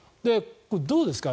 どうですか？